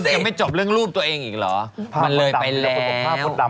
ยังไม่จบเรื่องรูปตัวเองอีกเหรอมันเลยไปเลยมดดำ